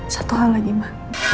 satu hal lagi ma